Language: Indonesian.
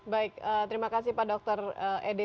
baik terima kasih pak dr ede